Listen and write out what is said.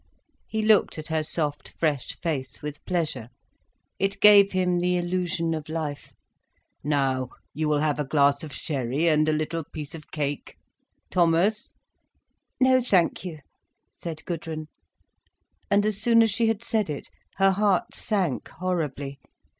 He looked at her soft, fresh face with pleasure. It gave him the illusion of life. "Now, you will have a glass of sherry and a little piece of cake. Thomas—" "No thank you," said Gudrun. And as soon as she had said it, her heart sank horribly.